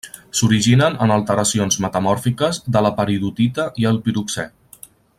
S'originen en alteracions metamòrfiques de la peridotita i el piroxè.